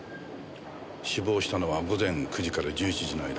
死亡したのは午前９時から１１時の間。